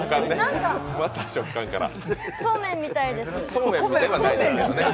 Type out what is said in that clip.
そうめんみたいです。